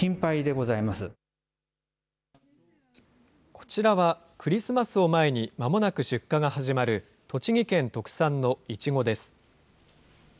こちらは、クリスマスを前にまもなく出荷が始まる、栃木県特産のいちごです。